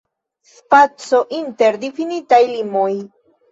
Spaco inter difinitaj limoj.